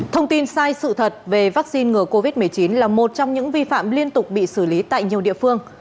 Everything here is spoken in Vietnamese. thông tin sai sự thật về vaccine ngừa covid một mươi chín là một trong những vi phạm liên tục bị xử lý tại nhiều địa phương